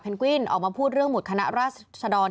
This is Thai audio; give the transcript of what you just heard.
กวินออกมาพูดเรื่องหุดคณะราชดร